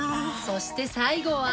そして最後は。